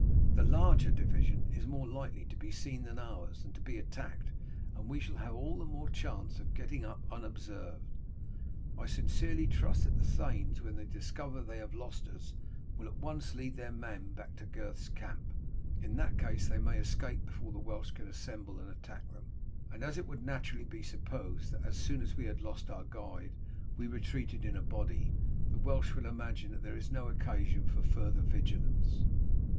The larger division is more likely to be seen than ours, and to be attacked, and we shall have all the more chance of getting up unobserved. I sincerely trust that the thanes, when they discover that they have lost us, will at once lead their men back to Gurth's camp. In that case they may escape before the Welsh can assemble and attack them; and as it would naturally be supposed that as soon as we had lost our guide we retreated in a body, the Welsh will imagine that there is no occasion for further vigilance."